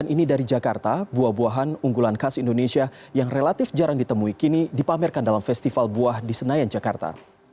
dan ini dari jakarta buah buahan unggulan khas indonesia yang relatif jarang ditemui kini dipamerkan dalam festival buah di senayan jakarta